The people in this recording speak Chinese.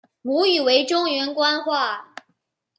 母语为中原官话。